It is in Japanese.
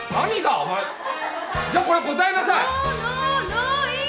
お前じゃあこれ答えなさい！